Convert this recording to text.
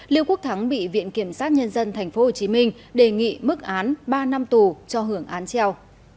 liêu quốc thắng bị viện kiểm sát nhân dân tp hcm đề nghị mức án ba năm tù cho hưởng án treo